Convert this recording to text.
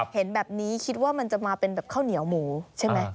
เห็นแบบนี้คิดว่ามันจะมาเป็นแบบข้าวเหนียวหมูใช่ไหม